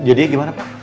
jadi gimana pak